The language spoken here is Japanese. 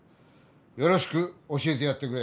よろしく教えてやってくれ。